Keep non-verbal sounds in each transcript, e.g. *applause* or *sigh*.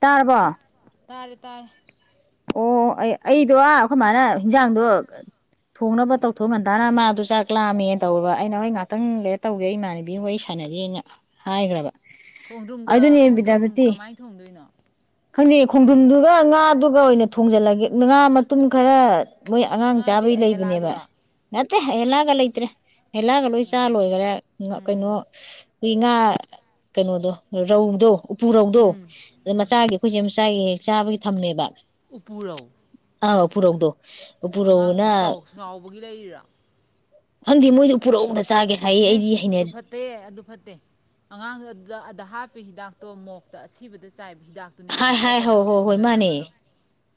ꯇꯥꯔꯕꯣ ꯇꯥꯔꯦ - ꯇꯥꯔꯦ꯫ ꯑꯣ ꯑꯩ ꯑꯩꯗꯣ ꯑꯩꯃꯥꯏꯅ ꯍꯟꯖꯥꯡꯗꯣ ꯊꯣꯡꯅꯕ ꯇꯧꯊꯣꯛꯃꯟꯇꯥꯅ ꯃꯥꯗꯣ ꯆꯥꯛ ꯂꯥꯝꯃꯦꯅ ꯇꯧꯔꯕ ꯑꯩꯅ ꯍꯣꯏ ꯉꯍꯥꯛꯇꯪ ꯂꯩꯔ ꯇꯧꯒꯦ ꯑꯩ ꯏꯃꯥꯟꯅꯕꯤ ꯋꯥꯔꯤ ꯁꯥꯟꯅꯔꯤꯅ ꯍꯥꯏꯈ꯭ꯔꯕ꯫ ꯈꯣꯡꯗ꯭ꯔꯨꯝꯒ ꯑꯗꯨꯅꯦ ꯈꯣꯡꯗ꯭ꯔꯨꯝ ꯀꯃꯥꯏꯅ ꯊꯣꯡꯗꯣꯏꯅꯣ ꯈꯪꯗꯩ ꯈꯣꯡꯗꯨꯝꯗꯨꯒ ꯉꯥꯗꯨꯒ ꯒ ꯑꯣꯏꯅ ꯊꯣꯡꯖꯤꯜꯂꯒꯦ ꯉꯥ ꯃꯇꯨꯡ ꯈꯔ ꯃꯣꯏ ꯑꯉꯥꯡ ꯉꯥꯗꯤ ꯆꯥꯕꯩ ꯂꯩꯕꯅꯦꯕ ꯑꯍꯦꯂꯥꯗꯨꯔꯣ ꯅꯠ ꯃꯦ ꯌꯦꯂꯒꯂ ꯏꯇ꯭ꯔꯦ ꯍꯩꯂꯥꯛꯒ ꯂꯣꯏ ꯆꯥ ꯎꯝ ꯂꯣꯏꯈꯔꯦ ꯀꯩꯅꯣ ꯎꯝ ꯑꯩꯈꯣꯏ ꯉꯥ ꯀꯩꯅꯣꯗꯣ ꯔꯧꯗꯣ ꯎꯄꯨꯔꯧꯗꯣ ꯎꯝ ꯑꯗ ꯎꯝ ꯃꯆꯥꯒꯤ ꯑꯩꯈꯣꯏꯁꯦ ꯆꯥꯏꯌꯦ ꯆꯥꯕꯒꯤ ꯊꯝꯃꯦꯕ ꯎꯄꯔꯧ ꯑꯥꯎ ꯄꯨꯔꯛꯗꯣ ꯑꯉꯥꯡ ꯆꯥꯎꯕꯒꯤ ꯂꯩꯔꯤꯕꯔꯤꯔꯥ ꯍꯪꯗꯤ ꯃꯣꯏꯗꯨ ꯄꯨꯔꯛꯅꯦ ꯍꯦ ꯑꯗꯨ ꯐꯠꯇꯦ ꯑꯗꯨ ꯐꯠꯇꯦ ꯑꯉꯥꯡꯗꯨ ꯑꯗꯨꯗ ꯍꯥꯞ ꯍꯤꯗꯥꯛꯇꯣ ꯃꯣꯛꯇ ꯑꯁꯤꯕꯗ ꯆꯥꯏꯕ ꯍꯤꯗꯥꯛꯇꯨꯅꯦ ꯍꯥꯏ ꯍꯥꯏꯕꯅꯦ ꯍꯥꯏ ꯍꯣꯏ ꯄꯠꯇꯅꯕ ꯍꯣꯏ ꯍꯣꯏ ꯃꯥꯅꯦ ꯄꯨꯝꯗꯅꯕꯗꯣ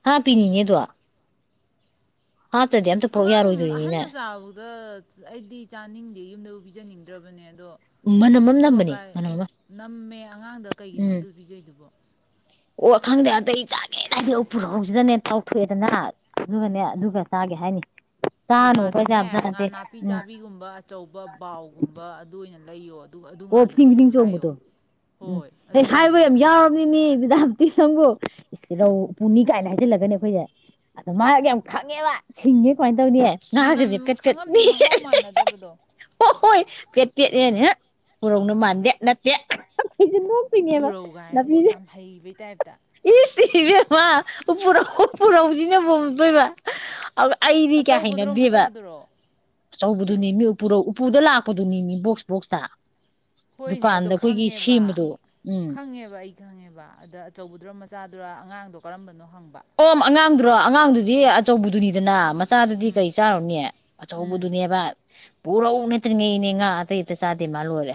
ꯍꯥ ꯄꯤꯅꯤꯅꯦꯗꯣ ꯍꯥꯇꯗꯤ ꯑꯝꯇ ꯄꯨꯔꯛ ꯑꯉꯥꯡ ꯌꯥꯔꯣꯏꯗꯣꯏꯅꯤꯅꯦ ꯑꯍꯟꯅ ꯆꯥꯕꯗ ꯑꯩꯗꯤ ꯆꯥꯅꯤꯡꯗꯦ ꯌꯨꯝꯗꯕꯨ ꯄꯤꯖꯅꯤꯡꯗ꯭ꯔꯕꯅꯦꯅ ꯑꯗꯣ ꯃꯅꯝ ꯑꯃ ꯅꯝꯕꯅꯦ ꯑꯊꯣꯛꯑꯀꯥꯏ ꯃꯅꯝ ꯑꯃ ꯅꯝꯃꯦ ꯑꯉꯥꯡꯗ ꯀꯩꯒꯤꯅꯣ ꯎꯝ ꯑꯗꯨ ꯄꯤꯖꯩꯗꯨꯕꯣ ꯑꯣ ꯈꯪꯗꯦ ꯑꯇꯩ ꯆꯥꯒꯦꯅ ꯍꯥꯏꯗꯤ ꯄꯨꯔꯛꯧꯁꯤꯗꯅꯦ ꯇꯥꯎꯊꯣꯛꯑꯦꯗꯅ ꯎꯝ ꯑꯗꯨꯗꯨꯒꯅꯦ ꯑꯗꯨꯒꯗꯨꯒ ꯇꯥꯒꯦ ꯍꯥꯏꯅꯤ ꯆꯥꯅꯨ ꯑꯩꯈꯣꯏ ꯕꯖꯥꯔꯗꯅꯦ ꯌꯥꯝ ꯉꯥ ꯆꯥꯟꯅꯗꯦ ꯅꯥꯄꯤ ꯎꯝ ꯆꯥꯕꯤꯒꯨꯝꯕ ꯑꯆꯧꯕ ꯕꯥꯎꯒꯨꯝꯕ ꯑꯗꯨ ꯑꯣꯏꯅꯅꯦ ꯂꯩ ꯌꯣꯠ ꯑꯣ ꯐꯤꯡ ꯐꯤꯅꯤꯡ ꯆꯣꯡꯕꯗꯣ ꯎꯝ ꯍꯣꯏ ꯑꯦ ꯑꯗꯨꯏ ꯍꯥꯏꯕ ꯌꯥꯝ ꯉꯥꯗꯨꯅꯦꯅ ꯌꯥꯎꯔꯕꯅꯤ ꯍꯥꯏꯔꯤꯁꯦ ꯃꯤ ꯃꯦꯗꯥꯝ ꯎꯤꯤꯁꯪꯕꯨ ꯔꯧ ꯎ ꯄꯨꯨꯅꯤ ꯀꯥꯏꯅ ꯍꯥꯏꯖꯤꯜꯂꯒꯅꯤ ꯑꯩꯈꯣꯏꯁꯦ ꯑꯗꯣ ꯃꯥ ꯌꯥꯝ ꯐꯪꯉꯦꯕ ꯁꯤꯡꯉꯦ ꯀꯃꯥꯏ ꯍꫭꯏꯅꯦ ꯉꯥꯒꯁꯦ ꯃꯅꯝ ꯀꯠ ꯀꯠ ꯈꯪꯉꯝꯅꯤ ꯃꯍꯥꯎ ꯃꯥꯟꯅꯗꯕꯗꯣ *unintelligible* ꯍꯣ ꯍꯣꯏ ꯀꯠꯇꯦꯅꯦ ꯄꯨꯔꯧꯅ ꯃꯥꯟꯗꯦ ꯅꯠꯇꯦ ꯑꯩꯁꯦ ꯅꯣꯛꯇꯣꯏꯅꯦꯕ ꯄꯨꯔꯧꯒꯥꯏ ꯁꯤ ꯌꯥꯝ ꯍꯩꯕꯩ ꯇꯥꯏꯞꯇ ꯏ ꯁꯤ ꯏꯃꯦꯃ ꯎꯄꯨꯔ ꯎꯄꯨꯔꯥꯎꯖꯤꯅꯦꯕꯣꯗꯣꯏꯕ ꯑ ꯑꯩꯗꯤ ꯀꯌꯥ ꯍꯥꯏꯥꯏꯅ ꯑꯆꯧꯕꯗꯨꯔꯣ ꯗꯦꯕ ꯃꯆꯥꯗꯨꯔꯣ ꯑꯆꯧꯕꯗꯨꯅꯤ ꯃꯤ ꯎꯄꯨꯗ ꯂꯥꯛꯄꯗꯨꯅꯤꯅꯤ ꯕꯣꯛꯁ ꯕꯣꯛꯁꯇ ꯍꯣꯏꯅꯦ ꯑꯗꯣ ꯗꯨꯀꯥꯟꯗ ꯑꯩꯈꯣꯏꯒꯤ ꯈꯪꯉꯦꯕ ꯁꯦꯝꯕꯗꯣ ꯎꯝ ꯈꯪꯉꯦꯕ ꯑꯩ ꯈꯪꯉꯦꯕ ꯑꯗ ꯑꯆꯧꯕ ꯑꯗꯨ꯭ꯔꯣ ꯃꯆꯥꯗꯨꯔ ꯑꯉꯥꯡꯗꯣ ꯀꯔꯝꯕꯅꯣ ꯍꯪꯕ ꯑꯣ ꯑꯉꯥꯡꯗꯣ *unintelligible* ꯑꯉꯥꯡꯗꯨꯗꯤ ꯎꯝ ꯑꯆꯧꯕꯗꯨꯅꯤꯗꯅ ꯃꯆꯥꯗꯨꯗꯤ ꯎꯝ ꯀꯔꯤ ꯆꯥꯔꯨꯅꯦ ꯑꯆꯧꯕꯗꯨꯅꯦꯕ ꯄꯨꯔꯧ ꯅꯠꯇ꯭ꯔꯤꯉꯩ ꯏꯅꯦ ꯉꯥ ꯑꯇꯩ ꯑꯃꯇ ꯆꯥꯗꯦ ꯃꯥ ꯂꯣꯏꯔꯦ꯫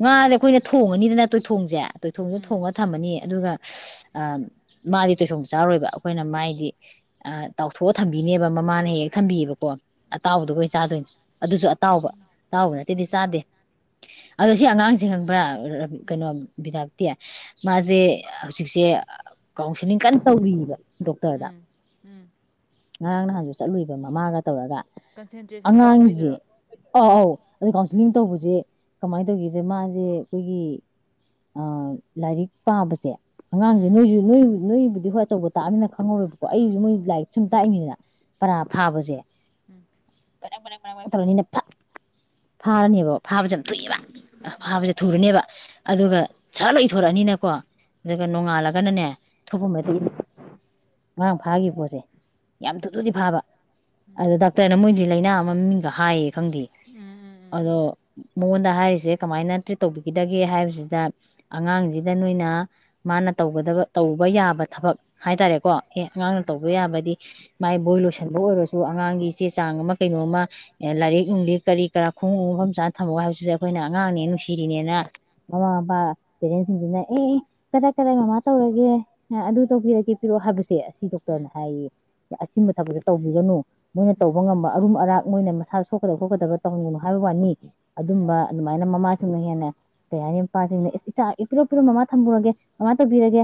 ꯉꯥꯁꯦ ꯎꯝ ꯑꯩꯈꯣꯏꯅ ꯊꯣꯡꯉꯅꯤꯗꯅ ꯇꯣꯏꯊꯣꯡꯁꯦ ꯇꯣꯏꯊꯣꯡꯁꯦ ꯎꯝ ꯊꯣꯡꯉꯒ ꯊꯝꯃꯅꯤ ꯑꯗꯨꯒ ꯑꯁ ꯃꯥꯗꯤ ꯇꯣꯏꯊꯣꯡ ꯆꯥꯔꯣꯏꯕ ꯑꯩꯈꯣꯏꯅ ꯃꯥꯏꯗꯤ ꯇꯥꯎꯊꯣꯛꯑ ꯊꯝꯕꯤꯅꯦꯕ ꯃꯃꯥꯅ ꯍꯦꯛ ꯍꯦꯛ ꯊꯝꯕꯤꯑꯦꯕꯀꯣ꯫ ꯎꯝ ꯑꯇꯥꯎꯕꯗꯨꯒꯩ ꯆꯥꯗꯣꯏꯅꯦ ꯑꯗꯨꯁꯨ ꯑꯇꯥꯎꯕ ꯑꯇꯥꯎꯕ ꯅꯠꯇꯦꯗꯤ ꯆꯥꯗꯦ ꯑꯗꯣ ꯁꯤ ꯑꯉꯥꯡꯁꯦ ꯈꯪꯕ꯭ꯔꯥ ꯎꯝ ꯎꯝ ꯀꯩꯅꯣ ꯕꯤꯗꯥꯛꯄꯇꯤ ꯎꯝ ꯃꯥꯁꯦ ꯍꯧꯖꯤꯛꯁꯦ ꯀꯥꯎꯟꯁꯤꯜꯂꯤꯡ ꯀꯟ ꯇꯧꯔꯤꯕ ꯗꯣꯛꯇꯔꯗ ꯎꯝ ꯎꯝ ꯉꯔꯥꯡ ꯅꯍꯥꯟꯁꯨ ꯆꯠꯂꯨꯏꯕ ꯃꯃꯥꯒ ꯇꯧꯔꯒ ꯀꯟꯁꯦꯟꯇ꯭ꯔꯦꯁꯟ ꯑꯉꯥꯡꯁꯦ ꯋꯥꯠꯄꯩꯗꯨꯔꯣ ꯑꯥ ꯑꯧ ꯑꯗꯨ ꯀꯥꯎꯟꯁꯤꯂꯤꯡ ꯇꯧꯕꯁꯦ ꯀꯃꯥꯏꯅ ꯇꯧꯒꯗ ꯃꯥꯁꯦ ꯑꯩꯈꯣꯏꯒꯤ ꯑꯥ ꯂꯥꯏꯔꯤꯛ ꯄꯥꯕꯁꯦ ꯑꯉꯥꯡꯁꯦ ꯎꯝ ꯅꯣꯏꯁꯨ ꯅꯣꯏ ꯅꯣꯏ ꯑꯗꯨ ꯍꯣꯏ ꯑꯆꯧꯕ ꯇꯥꯛꯑꯅꯤꯅ ꯈꯪꯉꯥꯔꯣꯏꯕꯀꯣ ꯑꯩꯁꯨ ꯃꯣꯏ ꯂꯥꯏꯔꯤꯛ ꯁꯨꯝ ꯇꯥꯛꯏꯅꯤꯅ ꯄꯔꯥ ꯎꯝ ꯐꯥꯕꯁꯦ ꯎꯝ ꯕꯦꯔꯦꯡ ꯕꯦꯔꯦꯡ ꯇꯧꯔꯅꯤꯅ ꯐꯠ ꯐꯥꯔꯅꯦꯕ ꯐꯥꯕꯁꯦ ꯌꯥꯝ ꯊꯨꯏꯑꯦꯕ꯫ ꯑ ꯎꯝ ꯐꯥꯕꯁꯦ ꯊꯨꯔꯅꯦꯕ ꯑꯗꯨꯒ ꯁꯥꯔ ꯏꯊꯣꯔꯛꯑꯅꯤꯅꯀꯣ ꯎꯝ ꯑꯗꯨꯒ ꯅꯣꯡꯉꯥꯜꯂꯒꯅꯅꯦ ꯊꯣꯛꯄ ꯑꯃ ꯉꯥꯔꯥꯡ ꯐꯥꯒꯤꯕ ꯄꯣꯠꯁꯦ ꯌꯥꯝ ꯊꯨ ꯊꯨꯗꯤ ꯐꯥꯕ ꯑꯗꯨꯗ ꯗꯥꯛꯇꯔꯅ ꯃꯣꯏꯁꯤ ꯂꯩꯥꯏꯅ ꯑꯃ ꯃꯃꯤꯡꯒ ꯍꯥꯏꯌꯦ ꯈꯪꯗꯦ ꯎꯝ ꯑꯗꯣ ꯃꯉꯣꯟꯗ ꯍꯥꯏꯔꯤꯁꯦ ꯀꯃꯥꯏꯅ ꯇ꯭ꯔꯤꯠ ꯇꯧꯕꯤꯒꯗꯒꯦ ꯍꯥꯏꯕꯁꯤꯗ ꯑꯉꯥꯡꯁꯤꯗ ꯅꯣꯏꯅ ꯃꯥꯅ ꯇꯧꯒꯗꯕ ꯇꯧꯕ ꯌꯥꯕ ꯊꯕꯛ ꯍꯥꯏꯇꯥꯔꯦꯀꯣ ꯑꯦ ꯑꯉꯥꯡꯅ ꯇꯧꯕ ꯌꯥꯕꯗꯤ ꯃꯥꯏ ꯕꯣꯏ ꯂꯣꯏꯁꯟꯕ ꯑꯣꯏꯔꯁꯨ ꯑꯉꯥꯡꯒꯤ ꯆꯦ ꯆꯥꯡ ꯑꯃ ꯀꯩꯅꯣꯝꯃ ꯂꯥꯏꯔꯤꯛ ꯅꯨꯡꯂꯤꯛ ꯀꯔꯤ ꯀꯔꯥ ꯈꯣꯡꯎ ꯃꯐꯝ ꯆꯥꯅ ꯊꯝꯃꯣ ꯍꯥꯏꯕꯁꯤꯗ ꯑꯩꯈꯣꯏꯅ ꯑꯉꯥꯡꯅꯦ ꯅꯨꯡꯁꯤꯔꯤꯅꯦꯅ ꯃꯃꯥ ꯃꯄꯥ ꯄꯦꯔꯦꯟꯁꯤꯡꯁꯤꯅ ꯑꯦ ꯀꯗꯥꯏ ꯀꯗꯥꯏ ꯃꯃꯥ ꯇꯧꯔꯒꯦ ꯑꯗꯨ ꯇꯧꯕꯤꯔꯒꯦ ꯄꯤꯔꯛꯑꯣ ꯍꯥꯏꯕꯁꯦ ꯑꯁꯤ ꯎꯝ ꯗꯣꯛꯇꯔꯅ ꯍꯥꯏꯌꯦ ꯑꯁꯤꯕ ꯊꯕꯛꯁ ꯇꯧꯕꯤꯒꯅꯨ ꯃꯣꯏꯅ ꯇꯧꯕ ꯉꯝꯕ ꯑꯔꯨꯝ ꯑꯔꯥꯛ ꯃꯣꯏꯅ ꯃꯁꯥ ꯁꯣꯛꯀꯗꯕ ꯈꯣꯠꯀꯗꯕ ꯇꯧꯅꯤꯡꯒꯅꯨ ꯍꯥꯏꯕ ꯋꯥꯅꯤ ꯎꯝ ꯑꯗꯨꯝꯕ ꯑꯗꯨꯃꯥꯏꯅ ꯃꯃꯥꯁꯤꯡꯅ ꯍꯦꯟꯅ ꯀꯩ ꯍꯥꯏꯅꯤ ꯃꯄꯥꯁꯤꯡꯅ ꯑꯦ ꯏꯆꯥ ꯄꯤꯔꯣ ꯄꯤꯔꯣ ꯃꯃꯥ ꯊꯝꯃꯨꯔꯒꯦ ꯃꯥꯃ ꯇꯧꯕꯤꯔꯒꯦ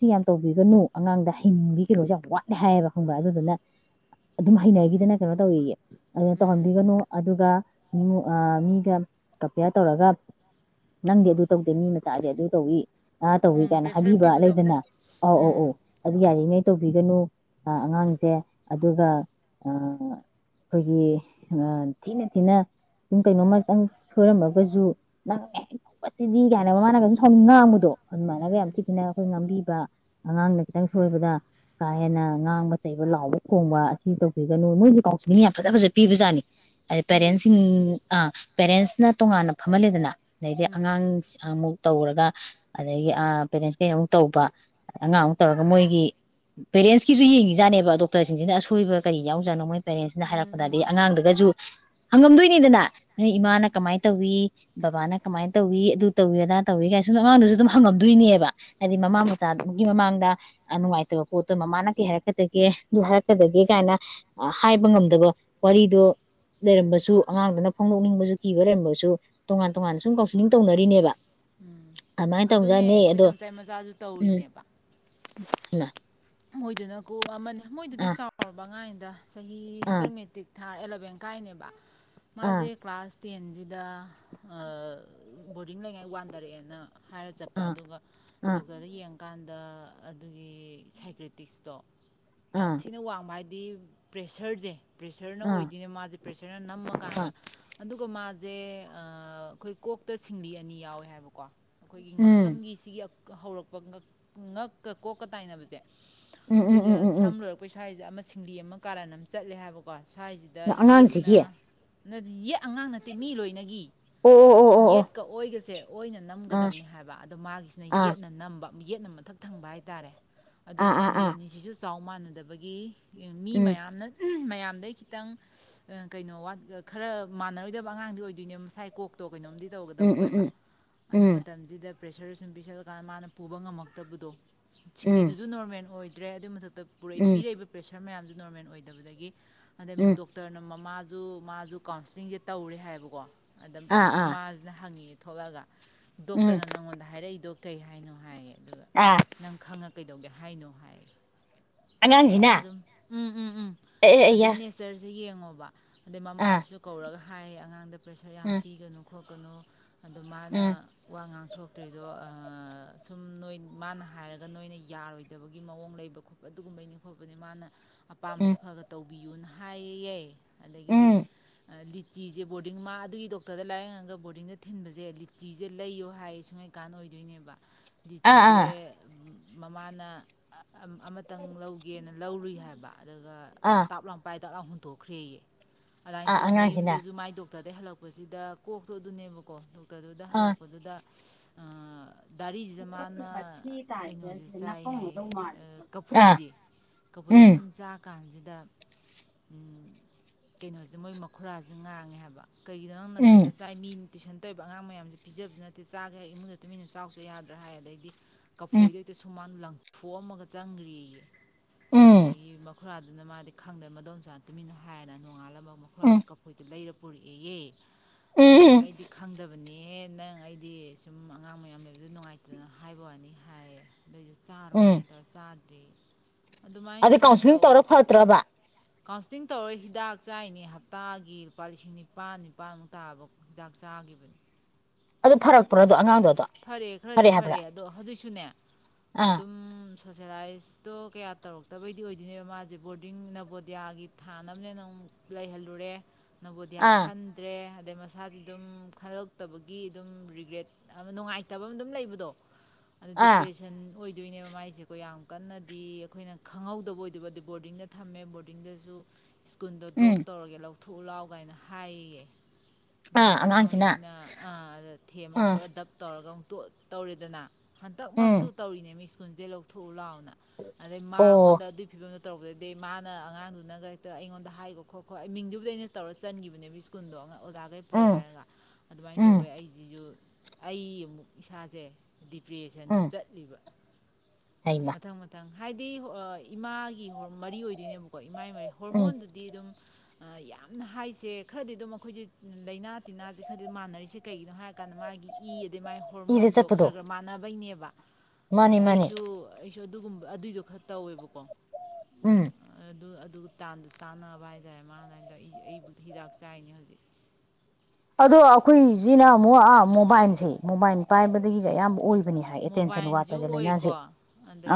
ꯁꯤ ꯌꯥꯝ ꯇꯧꯕꯤꯒꯅꯨ ꯑꯉꯥꯡꯗ ꯍꯩꯅꯤꯡꯕꯤ ꯀꯩꯅꯣꯁꯦ ꯌꯥꯝ ꯋꯥꯠꯂꯦ ꯍꯥꯏꯌꯦꯕ ꯈꯪꯕ꯭ꯔꯥ ꯑꯗꯨꯗꯨꯅ ꯑꯗꯨꯝ ꯍꯩꯅꯈꯤꯗꯅ ꯀꯩꯅꯣ ꯇꯧꯋꯦꯌꯦ꯫ ꯑꯗꯨꯅ ꯎꯝ ꯇꯧꯍꯟꯕꯤꯒꯅꯨ ꯑꯗꯨꯒ ꯃꯤꯉꯣꯟ ꯃꯤꯒ ꯀꯝꯄꯤꯌꯥꯔ ꯇꯧꯔꯒ ꯅꯪꯗꯤ ꯑꯗꯨ ꯇꯧꯗꯦ ꯃꯤ ꯃꯆꯥꯗꯤ ꯑꯗꯨ ꯇꯧꯏ ꯑ ꯇꯧꯏꯤ ꯎꯝ ꯀꯥꯏꯅ ꯄ꯭ꯔꯦꯁꯔ ꯍꯥꯏꯕꯤꯕ ꯄꯤꯕꯗꯣ ꯂꯩꯗꯅ ꯑꯧ ꯑꯧ ꯎꯝ ꯑꯣ ꯑꯗꯨ ꯌꯥꯔꯤꯉꯩ ꯇꯧꯕꯤꯒꯅꯨ ꯑꯉꯥꯡꯁꯦ ꯑꯗꯨꯒ ꯑꯩꯈꯣꯏꯒꯤ ꯊꯤꯅ ꯊꯤꯅ ꯁꯨꯝ ꯀꯩꯅꯣꯝꯃꯛꯇꯪ ꯁꯣꯏꯔꯝꯃꯒꯁꯨ ꯅꯪꯉ ꯇꯧꯕꯁꯤꯗꯤ ꯀꯥꯏꯅ ꯃꯃꯥꯅꯒꯝ ꯁ ꯉꯥꯡꯕꯗꯣ ꯑꯗꯨꯃꯥꯏꯅꯒ ꯌꯥꯝ ꯊꯤ ꯎꯝ ꯊꯤꯅ ꯑꯩꯈꯣꯏ ꯉꯥꯡꯝꯕꯤꯕ ꯑꯉꯥꯡꯅ ꯈꯤꯇꯪ ꯁꯣꯏꯕꯗ ꯀꯥ ꯍꯦꯟꯅ ꯉꯥꯡꯕ ꯆꯩꯕ ꯂꯥꯎꯕ ꯈꯣꯡꯕ ꯑꯁꯤ ꯇꯧꯕꯤꯒꯅꯨ ꯅꯣꯏꯁꯨ ꯀꯥꯎꯁꯤꯟꯅꯤꯡꯅ ꯌꯥꯝ ꯐꯖ ꯐꯖ ꯄꯤꯕꯖꯥꯠꯅꯤ ꯑ ꯄꯤꯌꯦ ꯄꯦꯔꯦꯟꯁꯤ ꯄꯤꯌꯦ ꯑ ꯄꯦꯔꯦꯟꯁꯅ ꯇꯣꯉꯥꯟꯅ ꯐꯝꯍꯜꯂꯦꯗꯅ ꯑꯗꯩꯗꯤ ꯎꯝ ꯑꯉꯥꯡꯁꯤ ꯑꯃꯨꯛ ꯇꯧꯔꯒ ꯑꯗꯒꯤ ꯄꯦꯔꯦꯟꯁ ꯀ ꯑꯃꯨꯛ ꯇꯧꯕ ꯑꯉꯥꯡꯃꯨꯛ ꯇꯧꯔꯒ ꯃꯣꯏꯒꯤ ꯄꯦꯔꯦꯟꯁꯀꯤꯁꯨ ꯌꯦꯡꯈꯤꯖꯥꯠꯅꯦꯕ ꯗꯣꯛꯇꯔꯁꯤꯡꯁꯤꯅ ꯑꯁꯣꯏꯕ ꯀꯔꯤ ꯌꯥꯎꯖꯠꯅꯣ ꯃꯣꯏ ꯄꯦꯔꯦꯟꯁꯁꯤꯅ ꯎꯝ ꯎꯝ ꯍꯥꯏꯔꯛꯄꯗ ꯎꯝ ꯍꯥꯏꯗꯤ ꯎꯝ ꯑꯉꯥꯡꯗꯨꯒꯁꯨ ꯍꯪꯉꯝꯗꯣꯏꯅꯤꯗꯅ ꯅ ꯎꯝ ꯎꯝ ꯏꯃꯥꯅ ꯀꯃꯥꯏꯅ ꯇꯧꯏꯤ ꯕꯕꯥꯅ ꯀꯃꯥꯏꯅ ꯇꯧꯏꯤ ꯑꯗꯨ ꯇꯧꯏꯤ ꯑꯗꯥ ꯇꯧꯏ ꯀꯥꯏꯅ ꯁꯨꯝ ꯑꯉꯥꯡꯗꯁꯨ ꯑꯗꯨꯝ ꯍꯪꯉꯝꯗꯣꯏꯅꯦꯕ ꯍꯥꯏꯗꯤ ꯃꯃꯥ ꯎꯝ ꯃꯄꯥ ꯃꯆꯥꯗꯨꯃꯒꯤ ꯃꯃꯥꯡꯗ ꯅꯨꯡꯉꯥꯏꯇꯕ ꯄꯣꯠꯇꯣ ꯃꯃꯥꯅ ꯀꯩ ꯍꯥꯏꯔꯛꯀꯗꯒꯦ ꯑꯗꯨ ꯍꯥꯏꯔꯛꯀꯗꯒꯦ ꯀꯥꯏꯅ ꯍꯥꯏꯕ ꯉꯝꯗꯕ ꯋꯥꯔꯤꯗꯣ ꯂꯩꯔꯝꯕꯁꯨ ꯑꯉꯥꯡꯗꯨꯅ ꯐꯣꯡꯗꯣꯛꯅꯤꯡꯕꯁꯨ ꯀꯤꯕ ꯂꯩꯔꯝꯕꯁꯨ ꯇꯣꯉꯥꯟ ꯇꯣꯉꯥꯟꯅ ꯁꯨꯝ ꯀꯥꯎꯟꯁꯤꯂꯤꯡ ꯇꯧꯅꯔꯤꯅꯦꯕ ꯎꯝ ꯑꯗꯨꯃꯥꯏꯅ ꯑꯗꯨꯅꯦ ꯇꯧꯖꯥꯠꯅꯦ ꯑꯗꯣ ꯑꯩꯈꯣꯏꯗꯝꯆꯥꯥꯏ ꯃꯆꯥꯁꯨ ꯇꯧꯔꯤꯅꯦꯕ ꯏ ꯃꯣꯏꯗꯨꯅ ꯀꯣ ꯑꯃꯅꯤ ꯃꯣꯏꯗꯨꯗꯤ ꯆꯥꯎꯔꯕ ꯉꯥꯏꯗ ꯆꯍꯤ ꯑꯥ ꯍꯟꯇ꯭ꯔꯃꯦꯦꯇꯤꯛ ꯊꯥꯔ ꯑꯦꯂꯚꯦꯟ ꯀꯥꯏꯅꯦꯕ ꯑꯥ ꯃꯥꯁꯦ ꯀ꯭ꯂꯥꯁ ꯇꯦꯟꯁꯤꯗ ꯕꯣꯔꯗꯤꯡ ꯂꯩꯉꯥꯏ ꯋꯥꯟꯗꯔꯛꯑꯦꯅ ꯍꯥꯏꯔ ꯆꯠꯄ ꯑꯥ ꯑꯗꯨꯒ ꯑꯥ ꯗꯣꯛꯇꯔꯗ ꯌꯦꯡꯉꯀꯥꯟꯗ ꯗ ꯑꯗꯨꯒꯤ ꯁꯥꯏ ꯇꯁꯇꯣ ꯑꯥ ꯌꯥꯝ ꯊꯤꯅ ꯋꯥꯡꯕ ꯍꯥꯏ ꯗꯤ ꯄ꯭ꯔꯦꯁꯔꯁꯦ ꯄ꯭ꯔꯦꯁꯔꯅ ꯑꯥ ꯑꯣꯏꯗꯣꯏꯅꯦ ꯃꯥꯁꯦ ꯄ꯭ꯔꯦꯁꯔꯅ ꯑꯥ ꯅꯝꯃꯀꯥꯟꯗ ꯑꯗꯨꯒ ꯃꯥ ꯖꯦ ꯑꯩꯈꯣꯏ ꯀꯣꯛꯇ ꯁꯤꯡꯂꯤ ꯑꯅꯤ ꯌꯥꯎꯋꯦ ꯍꯥꯏꯕꯀꯣ ꯑꯩꯈꯣꯏꯒꯤ ꯎꯝ ꯉꯛꯁꯝꯒꯤꯁꯤꯒꯤ ꯍꯧꯔꯛꯄ ꯉꯛꯀ ꯀꯣꯛꯀ ꯇꯥꯏꯅꯕꯁꯦ ꯎꯝ ꯎꯝ ꯎꯝ ꯁꯤꯗ ꯎꯝ ꯁꯝꯂꯨꯔꯒ ꯄꯩꯁꯥ ꯍꯥꯏꯁꯦ ꯁꯤꯗ ꯑꯃ ꯁꯤꯡꯂꯤ ꯑꯃ ꯀꯥꯔꯟ ꯑꯃ ꯆꯠꯂꯦ ꯍꯥꯏꯕꯀꯣ ꯁ꯭ꯋꯥꯏꯁꯤꯗ ꯎꯝ ꯑꯉꯥꯡꯁꯤꯒꯤ ꯌꯦꯠꯅ ꯌꯦꯠ ꯑꯉꯥꯡ ꯅꯠꯇꯦ ꯃꯤ ꯂꯣꯏꯅꯒꯤ ꯑꯣ ꯑꯣ ꯑꯣ ꯌꯦꯠꯀ ꯑꯣꯏꯒꯁꯦ ꯑꯣꯏꯅ ꯑꯣ ꯑꯣ ꯅꯝꯒꯗꯕꯅꯦ ꯍꯥꯏꯕ ꯑꯗꯣ ꯃꯥꯒꯤꯁꯤꯅ ꯑꯥ ꯌꯦꯠꯅ ꯅꯝꯕ ꯌꯦꯠꯅ ꯃꯊꯛ ꯊꯪꯕ ꯍꯥꯏꯇꯥꯔꯦ ꯑꯗꯨꯒ ꯑꯥ ꯑꯥ ꯑꯥ ꯁꯤꯡꯕꯤ ꯑꯥ ꯑꯅꯤꯁꯤꯁꯨ ꯆꯥꯎ ꯃꯥꯟꯅꯗꯕꯒꯤ ꯃꯤ ꯎꯝ ꯃꯌꯥꯝꯅ ꯃꯌꯥꯝꯗꯩ ꯈꯤꯇꯪ ꯀꯩꯅꯣꯠ ꯈꯔ ꯃꯥꯟꯅꯔꯣꯏꯗꯕ ꯑꯉꯥꯡꯗꯤ ꯑꯣꯏꯗꯣꯏꯅꯦ ꯃꯁꯥꯏ ꯀꯣꯛꯇꯣ ꯀꯩꯅꯣꯝꯗꯤ ꯎꯝ ꯇꯧꯒꯗꯕ ꯎꯝ ꯑꯣꯏꯕ ꯎꯝ ꯑꯗꯨ ꯎꯝ ꯃꯇꯝꯁꯤꯗ ꯄ꯭ꯔꯦꯁꯔꯗ ꯁꯨꯝ ꯄꯤꯤꯁꯜꯂꯀꯥꯟꯗ ꯃꯥꯅ ꯄꯨꯕ ꯉꯝꯃꯛꯇꯕꯗꯣ ꯎꯝ ꯁꯤꯡꯂꯤꯗꯨꯁꯨ ꯅꯣꯔꯃꯦꯜ ꯑꯣꯏꯗ꯭ꯔꯦ ꯑꯗꯨꯏ ꯃꯊꯛꯇ ꯇꯔ ꯎꯝ ꯄꯤꯔꯛꯕ ꯄ꯭ꯔꯦꯁꯥ ꯁꯥꯔ ꯃꯌꯥꯝꯁꯨ ꯅꯣꯔꯃꯦꯜ ꯑꯣꯏꯗꯕꯗꯒꯤ ꯑꯗꯩ ꯎꯝ ꯗꯣꯛꯇꯔꯅ ꯃꯃꯥ ꯖꯨ ꯃꯥꯁꯨ ꯀꯥꯎꯟꯁꯂꯤꯡꯁꯦ ꯇꯧꯔꯦ ꯍꯥꯏꯕꯀꯣ ꯑꯝ ꯑꯥ ꯑꯥ ꯃꯃꯥꯁꯤꯅ ꯍꯪꯉꯤ ꯊꯣꯛꯂꯛꯒ ꯎꯝ ꯗꯣꯛꯇꯔꯅ ꯅꯪꯉꯣꯟꯗ ꯍꯥꯏꯔꯛꯏꯗ ꯀꯩ ꯍꯥꯏꯅꯣ ꯍꯥꯏꯌꯦ ꯑꯗꯨꯒ ꯑꯥ ꯅꯪ ꯈꯪꯉꯛ ꯀꯩꯗꯧꯒꯦ ꯍꯥꯏꯅꯣ ꯍꯥꯏ ꯑꯉꯥꯡꯁꯤꯅ ꯑꯗꯨꯝ ꯎꯝ ꯎꯝ ꯎꯝ ꯑꯦ ꯑꯗꯨꯝ ꯑꯌꯥ ꯅꯦꯆꯔꯁꯦ ꯌꯦꯡꯉꯣ ꯑꯗꯩ ꯑꯥ ꯃꯃꯥꯁꯤꯁꯨ ꯀꯧꯔꯒ ꯍꯥꯏ ꯑꯉꯥꯡꯗ ꯄ꯭ꯔꯦꯁꯔ ꯌꯥꯝ ꯎꯝ ꯄꯤꯒꯅꯨꯣ ꯍꯒꯅꯣ ꯑꯗ ꯃꯥꯅ ꯎꯝ ꯋꯥ ꯉꯥꯡ ꯊꯣꯛꯇ꯭ꯣꯏꯔꯤꯗꯣ ꯁꯨꯝ ꯅꯣꯏ ꯃꯥꯅ ꯍꯥꯏꯔꯒ ꯅꯣꯏꯅ ꯌꯥꯔꯣꯏꯗꯕꯒꯤ ꯃꯑꯣꯡ ꯂꯩꯕ ꯈꯣꯠꯄ ꯑꯗꯨꯒꯨꯝꯕꯩꯅꯤ ꯈꯣꯠꯄꯅꯤ ꯃꯥꯅ ꯎꯝ ꯑꯄꯥꯝꯕꯁꯨ ꯈꯔ ꯈ ꯇꯧ ꯏꯌꯣꯟꯍꯌꯦ ꯑꯗꯒꯤꯗꯤ ꯎꯝ ꯂꯤꯆ ꯂꯤ ꯆꯤꯁꯦ ꯕꯣꯔꯗꯤꯡ ꯃꯥ ꯑꯗꯨꯒꯤ ꯗꯣꯛꯇꯔꯗ ꯂꯥꯏꯌꯦꯡꯉꯒ ꯕꯣꯔꯗꯤꯡꯗ ꯊꯤꯟꯕꯁꯦ ꯆꯤꯁꯦ ꯂꯩꯌꯣ ꯍꯥꯏꯌꯦ ꯁꯨꯡꯉꯩꯀꯥꯟꯅꯗ ꯑꯣꯏꯗꯣꯏꯅꯦꯕ ꯂꯤꯗꯤ ꯑꯥ ꯆꯤꯖꯦ ꯑꯥ ꯃꯃꯥꯅ ꯑꯃꯇꯪ ꯂꯧꯒꯦꯅ ꯂꯧꯔꯨꯏ ꯍꯥꯏꯕ ꯑꯗꯨꯒ ꯑꯥ ꯇꯥꯞ ꯂꯝꯣꯝ ꯄꯥꯏ ꯇꯔꯥ ꯍꯨꯟꯇꫭꯛꯈ꯭ꯔꯦꯌꯦ ꯑꯗꯥꯏꯅ ꯑꯥ ꯇꯧꯗꯅ ꯑꯉꯥꯡꯁꯤꯅ ꯃꯌꯨꯝꯗꯖꯨ ꯃꯥꯏ ꯗꯣꯛ ꯗꯣꯛꯇꯔꯗꯩ ꯍꯜꯂꯛꯄꯁꯤꯗ ꯀꯣꯛꯇꯣ ꯑꯗꯨꯅꯦꯕꯀꯣ ꯇꯗꯨꯗꯨꯗ ꯑꯥ ꯍꯜꯂꯛꯄꯗꯨꯗ ꯗꯥꯔꯤꯖꯤꯗ ꯃꯥꯅ ꯃꯊꯤ ꯇꯥꯏꯁꯦ ꯅꫭꯖꯤ ꯁꯤꯗ ꯆꯥꯏ ꯍꯥꯏꯌꯦ ꯅꯥꯀꯧꯅꯗꯧ ꯃꯥꯜꯂꯦ ꯑ ꯑꯥ ꯀꯐꯣꯏꯖꯦ ꯀꯐꫭꯏꯖꯦ ꯎꯝ ꯁꯨꯝ ꯆꯥ ꯀꯥꯟ ꯀꯥꯟꯖꯤꯗ ꯎꯝ ꯀꯩꯅꯣꯖꯦ ꯃꯣꯏ ꯃꯈꯨꯔꯥꯖꯤꯅ ꯉꯥꯡꯉꯦ ꯍꯥꯏꯕ ꯀꯩꯒꯤꯅꯣ ꯅꯪ ꯎꯝ ꯅꯊꯟꯗ ꯆꯥꯏ ꯃꯤ ꯇꯨꯏꯁꯟ ꯇꯧꯔꯤꯕ ꯑꯉꯥꯡ ꯃꯌꯥꯝꯁꯤ ꯄꯤꯖꯕꯁꯨ ꯅꯠꯇꯦ ꯆꯥꯒꯦ ꯍꯥꯏꯔ ꯏꯃꯨꯡꯗ ꯇꯨꯃꯤꯟꯅ ꯆꯥꯎꯆꫭ ꯌꯥꯗ꯭ꯔꯥ ꯍꯥꯏ ꯑꯗꯩꯗꯤ ꯎꯝ ꯐꯣꯏꯗꫭ ꯍꯦꯛꯇ ꯁꯨꯃꯥꯡ ꯂꯪ ꯊꫭꯛꯑꯝ ꯑꯃꯒ ꯆꯪꯒ꯭ꯔꯦꯌꯦ ꯎꯝ ꯑꯗꯒꯤ ꯃꯈꯨꯔꯥ ꯗꯨꯅ ꯃꯥꯗꯤ ꯈꯪꯗ ꯃꯗꯣꯝꯆꯥꯗ ꯇꯨꯃꯤꯟꯅ ꯍꯥꯏꯔꯦꯅ ꯅꯣꯡꯉꯥꯂ ꯃ ꯎꯝ ꯑꯈꯨꯔꯥꯗꯨꯅ ꯀꯐꯣꯏꯗꫭ ꯂꯩꯔ ꯄꯨꯔꯛꯑꯦꯌꯦ ꯑ ꯎꯝ ꯕꯦꯝꯃ ꯑꯩꯗꯤ ꯈꯪꯗꯕꯅꯤ ꯑꯦ ꯅꯪ ꯑꯩꯗꯤ ꯁꯨꯝ ꯑꯉꯥꯡ ꯃꯌꯥꯝ ꯂꯩꯕꯗꯨꯗ ꯅꯨꯡꯉꯥꯏꯇꯗꯅ ꯍꯥꯏꯕ ꯋꯥꯅꯤ ꯑꯗꫭꯏꯁꯨ ꯆꯥꯔꯣꯏ ꯀꯥꯏꯅ ꯇꯧꯔ ꯆꯥꯗꯦ ꯑꯗꯩ ꯀꯥꯎꯟꯁꯤꯂꯤꯡ ꯇꯧꯔ ꯐꯠꯇ꯭ꯔꯥꯕꯥ ꯀꯥꯎꯟꯁꯤꯂꯤꯡ ꯇꯧꯔ ꯍꯤꯗꯥꯛ ꯆꯥꯔꯤꯅꯦ ꯍꯞꯇꯥꯒꯤ ꯂꯨꯄꯥ ꯂꯤꯁꯤꯡ ꯅꯤꯄꯥꯟ ꯅꯤꯄꯥꯟꯃꯨꯛ ꯇꯥꯕ ꯍꯤꯗꯥꯛ ꯆꯥꯒꯤꯕꯅꯤ ꯑꯗꯨ ꯐꯔꯛꯄꯔ ꯐꯔꯦ ꯈꯔꯗꯤ ꯐꯔꯦ ꯑꯗꯣ ꯍꯧꯖꯤꯛꯁꯨꯅꯦ ꯑꯥ ꯑꯗꯨꯝ ꯁꯣꯁꯦꯂꯥꯏꯖꯇꯣ ꯀꯌꯥ ꯇꯧꯔꯛꯇꯕꯩꯗꯤ ꯑꯣꯏꯗꯣꯏꯅꯦꯕ ꯃꯥꯁꯦ ꯕꯣꯔꯗꯤꯡ ꯅꯕꯣꯗꯤꯌꯥꯒꯤ ꯊꯥꯅꯕꯅꯦꯅ ꯑꯃꯨꯛ ꯂꯩꯍꯜꯂꯨꯔꯦ ꯅꯕꫭꯗꯤꯌꯥ ꯑꯥ ꯈꯟꯗ꯭ꯔꯦ ꯑꯗꯩ ꯃꯁꯥꯖꯤ ꯑꯗꯨꯝ ꯈꯜꯂꯛꯇꯕꯒꯤ ꯗꯨꯝ ꯔꯤꯒ꯭ꯔꯦꯠ ꯑꯃ ꯅꯨꯡꯉꯥꯏꯇꯕ ꯑꯝ ꯗꯨꯝ ꯂꯩꯕꯗꯣ ꯑ ꯑꯥ ꯗꯤꯄ꯭ꯔꯦꯁꯟ ꯑꯣꯏ ꯗꯨꯗꯏꯅꯦꯕ ꯃꯥꯏꯁꯦꯀꯣ ꯌꯥꯝ ꯀꯟꯅꯗꯤ ꯑꯈꯣꯏꯅ ꯈꯪꯍꯧꯗꯕ ꯑꯣꯏꯗꫭꯏꯕ ꯗ ꯕꯣꯔꯗꯤꯡꯗ ꯊꯝꯃꯦ ꯕꯣꯔꯗꯤꯡꯗꯁꯨ ꯁ꯭ꯀꯨꯟꯗꫭ ꯎꯝ ꯗ꯭ꯔꫭꯞ ꯇꯧꯔꯒꯦ ꯂꯧ ꯊꯨꯎ ꯂꯥꯎ ꯀꯥꯏꯅ ꯍꯥꯏ ꯏꯌꯦ ꯑꯗ ꯑꯥ ꯃꯃꯥ ꯑꯉꯥꯡꯁꯤꯅ ꯍꯣꯏꯁꯤꯅ ꯑ ꯅ ꯊꯦꯝꯃ ꯎꯝ ꯇꯧꯔꯒ ꯑꯃꯨꯛ ꯇꫭꯛ ꯇꯧꯔꯦꯗꯅ ꯍꯟꯇꯛ ꯎꯝ ꯃꯛꯁꯨ ꯇꯧꯔꯤꯅꯦ ꯃꯤ ꯂꯣꯟꯟꯖꯦꯜ ꯂꯧꯊꯣꯛꯎ ꯂꯥꯎ ꯑꯗꯩ ꯑꯣ ꯃꯉꯣꯟꯗ ꯑꯗꯨꯏ ꯐꯤꯕꯝꯗ ꯇꯧꯒꯗꯗꯤ ꯃꯥꯅ ꯑꯉꯥꯡꯗꯨꯅꯒ ꯍꯦꯛꯇ ꯑꯩꯉꯣꯟꯗ ꯍꯥꯏꯈꯣ ꯈꯣꯠꯀꯣ ꯑꯩ ꯃꯤꯡꯗꯨꯕꯨ ꯂꯩꯅ ꯇꯧꯔ ꯆꯟꯈꯤꯕꯅꯦꯕ ꯁ꯭ꯀꯨꯜꯗꯣ ꯑ ꯑꯣꯖꯥꯈꯩ ꯐꯩ ꯎꯝ ꯍꯥꯏꯔꯒ ꯑꯗꯨꯃꯥꯏꯅ ꯎꯝ ꯇꯧꯋꯦ ꯑꯩꯁꯤꯁꯨ ꯑꯩ ꯑꯃꯨꯛ ꯏꯁꯥꯁꯦ ꯗꯤꯄ꯭ꯔꯦꯁꯟꯗꯨ ꯎꯝ ꯆꯠꯂꯤꯕ ꯍꯩꯃ ꯃꯊꯪ ꯃꯊꯪ ꯍꯥꯏꯗꯤ ꯏꯃꯥꯒꯤ ꯃꯔꯤ ꯑꯣꯏꯗꯣꯏꯅꯦꯕꯀꯣ ꯃꯥꯏ ꯃꯥꯏ ꯎꯝ ꯍꯣꯔꯃꯣꯟꯗꯨꯗꯤ ꯑꯗꯨꯝ ꯌꯥꯝꯅ ꯍꯥꯏꯁꯦ ꯈꯔꯗꯤ ꯑꯗꯨꯝ ꯑꯩꯈꯣꯏꯁ ꯂꯥꯏꯅꯥ ꯇꯤꯟꯅꯥꯁꯦ ꯈꯔꯗꯤ ꯑꯗꯨꯝ ꯃꯥꯟꯅꯔꯤꯁꯦ ꯀꯩꯒꯤꯅꯣ ꯍꯥꯏꯔꯀꯥꯟꯗ ꯃꯥꯒꯤ ꯏ ꯑꯗꯩ ꯃꯥꯏ ꯏꯗ ꯍꯣꯔꯃꯣꯟꯗꯣ ꯆꯠꯄꯗꯣ ꯈꯔ ꯈꯔ ꯃꯥꯟꯅꯕꯩꯅꯦꯕ ꯃꯥꯅꯤ ꯑꯗꯨꯅ ꯃꯥꯅꯤ ꯑꯩꯁꯨ ꯁꯨ ꯑꯗꯨꯒꯨꯝꯕ ꯑꯗꯨꯏꯗꯣ ꯈꯔ ꯇꯧꯋꯦꯕꯀꯣ ꯎꯝ ꯑꯗꯨ ꯑꯗꯨ ꯇꯥꯟꯗꯨ ꯆꯥꯟꯅꯕ ꯍꯥꯏꯇꯥꯔꯦ ꯃꯥꯏꯗ ꯑꯩ ꯑꯩꯕꯨꯗꯤ ꯍꯤꯗꯥꯛ ꯆꯥꯏꯅꯦ ꯍꯧꯖꯤꯛ ꯑꯗꯣ ꯑꯩꯈꯣꯏꯁꯤꯅ ꯑꯃꯨꯛ ꯃꯣꯕꯥꯏꯜꯁꯦ ꯃꯣꯕꯥꯏꯜ ꯄꯥꯏꯕꯗꯒꯤꯁꯦ ꯑꯌꯥꯝꯕ ꯑꯣꯏꯕ ꯃꯣꯕꯥꯏꯜꯁꯨ ꯑꯣꯏꯀꯣ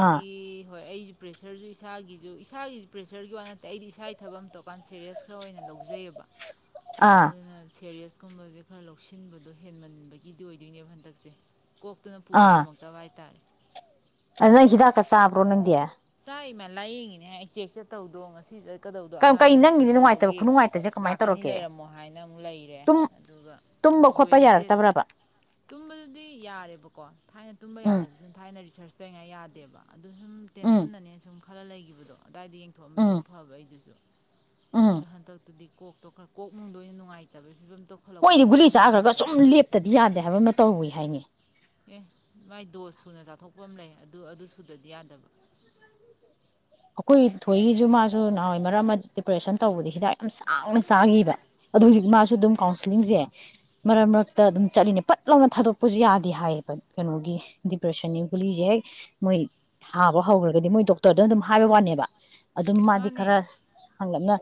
ꯑꯥ ꯍꯣꯏ ꯑꯩꯁꯨ ꯄ꯭ꯔꯦꯁꯔꯁꯨ ꯏꯁꯥꯒꯤ ꯑꯗꯨꯨ ꯏꯁꯥꯒꯤ ꯄ꯭ꯔꯦꯁꯔꯒꯤ ꯋꯥ ꯅꯠꯇꯦ ꯑꯩꯗꯤ ꯏꯁꯥꯒꯤ ꯊꯕ ꯑꯃ ꯇꯧꯔꯀꯥꯟ ꯆꯠꯦ ꯁꯦꯔꯁ ꯈꯔ ꯑꯣꯏꯅ ꯂꯧꯖꯩꯑꯕ ꯑꯥ ꯑꯗꯨꯅ ꯁꯦꯔꯁ ꯀꯨꯝꯕꯁꯦ ꯈꯔ ꯂꯧꯁꯤꯟꯕꯗꯣ ꯍꯦꯟꯃꯟꯕꯒꯤꯗꯤ ꯑꯣꯏꯗꯣꯏꯅꯦꯕ ꯍꯟꯗꯛꯁꯦ ꯀꯣꯛ ꯄꯨꯕ ꯑꯥ ꯉꯝꯃꯛꯇꯕ ꯍꯥꯏꯇꯥꯔꯦ ꯑꯗꯨ ꯅ ꯍꯤꯗꯥꯛ ꯀ ꯁꯥꯕ꯭ꯔꯣ ꯅꯗꯌꯥ ꯏꯃꯥ ꯂꯥꯏꯌꯦꯡꯉꯤꯅꯦ ꯑꯩ ꯆꯦꯛꯁꯦ ꯇꯧꯗꯣ ꯉꯁꯤ ꯆꯀꯗꯧꯗꯣ ꯀꯩ ꯑꯉꯥꯡ ꯀꯩ ꯑꯦꯠꯃꯤꯁꯟ ꯅꯪꯒꯤꯗꯤ ꯅꯨꯡꯉꯥꯏꯇꯕ ꯇꯧꯕꯒꯤ ꯈꯨꯅꯨꯡꯉꯥꯏꯇꯁꯦ ꯀꯃꯥꯏꯅ ꯂꯥꯛꯀꯅꯤ ꯇꯧꯔꯛꯀꯦ ꯂꯩꯔꯝꯃꯣ ꯍꯥꯏꯅ ꯑꯃꯨꯛ ꯂꯩꯔꯦ ꯇꯨꯝ ꯇꯨꯝꯕ ꯈꯣꯠꯄ ꯑꯗꯨꯒꯣꯏꯅꯁꯇꯦ ꯌꯥꯔꯛꯇꯕ꯭ꯔꯕ ꯇꯨꯝꯕꯗꯨꯗꯤ ꯌꯥꯔꯦꯕꯀꯣ ꯊꯥꯏꯅ ꯇꯨꯝꯕ ꯎꯝ ꯌꯥꯗꯕꯁꯤꯅ ꯊꯥꯏꯅ ꯔꯤꯁꯔꯁ ꯉꯥꯏ ꯌꯥꯗꯦꯕ ꯑꯗꯨ ꯁꯨꯝ ꯎꯝ ꯇꯦꯟꯁꯟꯅꯅꯦ ꯁꯨꯝ ꯈꯔ ꯂꯩꯈꯤꯕꯗꯣ ꯑꯏꯗ ꯌꯦꯡꯊꯣꯛꯑꯃꯗꯤ ꯎꯝ ꯑꯃꯨꯛ ꯐꯕ ꯑꯩꯗꯨꯁꯨ ꯎꯝ ꯂꯥꯟꯇꯛꯇꯗꯤꯛꯇ *unintelligible* ꯀꯣꯛꯇꯣ ꯈꯔ ꯀꯣꯛꯅꯨꯡꯗꯣ ꯑꯣꯏꯅ ꯅꯨꯡꯉꯥꯏꯇꯕꯒꯤ ꯐꯤꯕꯝꯗ ꯃꯣꯏꯗꯤ ꯒꯨꯂꯤ ꯆꯥꯈ꯭ꯔꯒ ꯁꯨꯝ ꯂꯦꯞꯇꯗꯤ ꯌꯥꯗꯦ ꯍꯥꯏꯕ ꯑꯃ ꯇꯧꯋꯏ ꯍꯥꯏꯅꯤ ꯑꯦ ꯃꯥꯏ ꯗꯣꯁ ꯁꯨꯅ ꯆꯥꯊꯣꯛꯄ ꯑꯃ ꯂꯩ ꯑꯗꯨ ꯑꯗꯨ ꯁꯨꯗꯗꯤ ꯌꯥꯗꯕ ꯑꯩꯈꯣꯏ ꯊꯣꯏꯒꯤꯁꯨ ꯃꯥꯁꯨ ꯅꯍꯥꯟꯋꯥꯏ ꯃꯔꯛ ꯗꯤꯄ꯭ꯔꯦꯁꯟ ꯇꯧꯕꯗ ꯍꯤꯗꯥꯛ ꯌꯥꯝ ꯁꯥꯡꯅ ꯆꯥꯈꯤꯕ ꯑꯗꯨꯗꯣ ꯍꯧꯖꯤꯛ ꯃꯥꯁꯨ ꯑꯗꯨꯝ ꯀꯥꯎꯟꯁꯤꯂꯤꯡꯁꯦ ꯃꯔꯛ ꯃꯔꯛꯇ ꯑꯗꯨꯝ ꯆꯠꯂꯤꯅꯦ ꯐꯠ ꯂꯥꯎꯅ ꯊꯥꯗꯣꯛꯄꯁꯨ ꯌꯥꯗꯦ ꯍꯥꯏꯌꯦꯕ ꯀꯩꯅꯣꯒꯤ ꯗꯤꯄ꯭ꯔꯦꯁꯟꯒꯤ ꯒꯨꯂꯤꯁꯦ ꯍꯦꯛ ꯃꯣꯏ ꯊꯥꯕ ꯍꯧꯈ꯭ꯔꯒꯗꯤ ꯃꯣꯏ ꯗꯣꯛꯇꯔꯗꯅ ꯑꯗꯨꯝ ꯍꯥꯏꯕꯋꯥꯒꯅꯦꯕ ꯑꯗꯨꯝ ꯃꯥꯗꯤ ꯃꯥꯅꯦ ꯈꯔ ꯍꯪꯒꯠꯅ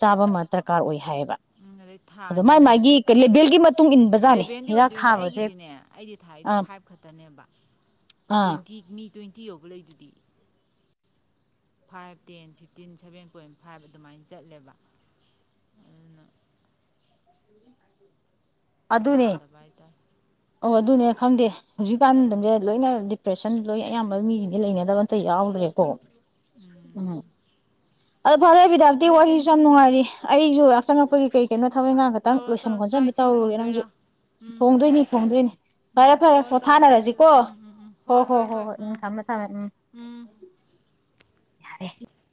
ꯆꯥꯕ ꯑꯃ ꯗꯔꯀꯥꯔ ꯑꯣꯏ ꯍꯥꯏꯌꯦꯕ ꯎꯝ ꯑꯗꯩ ꯊꯥ ꯑꯗꯣ ꯃꯥꯏ ꯑꯅꯤ ꯃꯥꯒꯤ ꯂꯦꯚꯦꯜꯒꯤ ꯃꯇꯨꯡ ꯏꯟꯕꯖꯥꯠꯅꯤ ꯂꯦꯚꯦꯟꯗꯤ ꯍꯤꯗꯥꯛ ꯑꯣꯏꯗꯣꯏꯅꯦ ꯊꯥꯕꯁꯦ ꯑꯩꯒꯤꯗꯤꯅꯦ ꯑꯩꯗꯤ ꯊꯥ ꯑꯩꯗꯣ ꯑꯥ ꯐꯥꯏꯚ ꯈꯛꯇꯅꯦꯕ ꯑꯥ ꯇ꯭ꯋꯦꯟꯇꯤ ꯃꯤ ꯇ꯭ꯋꯦꯟꯇꯤ ꯇꯤꯌꯣ *inaudible* ꯂꯩꯗꯨꯗꯤ five ten fifteen seven point five ꯑꯗꯨꯃꯥꯏꯅ ꯆꯠꯂꯦꯕ ꯑꯗꯨꯅ ꯑꯗꯨ ꯑꯗꯨꯅꯦ ꯌꯥꯗꯕ ꯍꯥꯏꯇꯥꯔꯦ ꯑꯣ ꯑꯗꯨ ꯑꯗꯨꯅꯦ ꯈꯪꯗꯦ ꯍꯧꯖꯤꯛꯀꯥꯟꯗꯁꯦ ꯂꯣꯏꯅ ꯗꯤꯄ꯭ꯔꯦꯁꯟ ꯂꯣꯏꯅ ꯑꯌꯥꯝꯕ ꯃꯤꯁꯤꯡꯁꯦ ꯂꯩꯅꯗꯕ ꯑꯇ ꯌꯥꯎꯗ꯭ꯔꯦꯀꯣ ꯎꯝ ꯑꯗꯣ ꯐꯔꯦ ꯕꯤꯗꯥꯞꯇꯤ ꯑꯗꯩ ꯋꯥꯔꯤꯁꯨ ꯌꯥꯝ ꯇꯦꯟꯁꯟꯁꯦ ꯅꯨꯡꯉꯥꯏꯔꯤ ꯑꯩꯁꯨ ꯆꯉꯛꯄꯒꯤ ꯀꯩ ꯀꯩꯅꯣ ꯊꯕꯛ ꯏꯪꯈꯥꯡ ꯈꯛꯇꯪ ꯇꯧꯔꯣ ꯂꯣꯏꯁꯟ ꯇꯧꯔꯣ ꯆꯥꯛ ꯈꯣꯠꯁꯟꯕ ꯏꯁꯤꯡ ꯇꯧꯔꯨꯔꯒꯦ ꯅꯪꯁꯨ ꯊꯣꯡꯗꯣꯏꯔꯥ ꯎꯝ ꯊꯣꯡꯗꯣꯏꯅꯤ ꯐꯣꯡꯗꯣꯏꯅꯤ ꯐꯔꯦ ꯎꯝ ꯐꯔꯦ ꯇꯧꯔꯣ ꯄꯣ ꯇꯧꯔꯣ ꯑꯩꯁꯨ ꯊꯥꯅꯔꯁꯤꯀꯣ ꯎꯝ ꯎꯝ ꯎꯝ ꯍꯣꯏ ꯍꯣꯏ ꯍꯣꯏ ꯍꯣꯏ ꯎꯝ ꯊꯝꯃꯦ ꯊꯝꯃꯦ ꯎꯝ ꯎꯝ ꯌꯥꯔꯦ